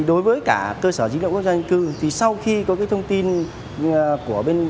đối với cả cơ sở dữ liệu quốc gia dân cư thì sau khi có thông tin của bộ tư pháp